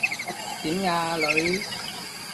點呀，女？